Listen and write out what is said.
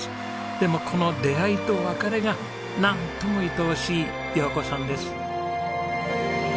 でもこの出会いと別れがなんともいとおしい陽子さんです。